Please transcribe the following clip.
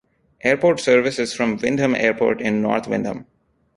Airport service is from Windham Airport in North Windham.